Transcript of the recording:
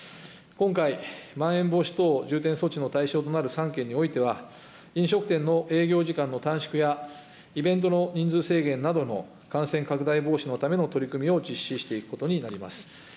今回、まん延防止等重点措置の対象となる３県においては、飲食店の営業時間の短縮や、イベントの人数制限などの感染拡大防止のための取り組みを実施していくことになります。